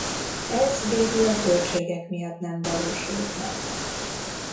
Ez végül a költségek miatt nem valósult meg.